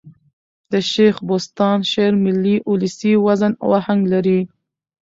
د شېخ بُستان شعر ملي اولسي وزن او آهنګ لري.